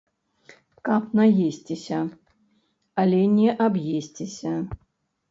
Каб наесціся, але не аб'есціся.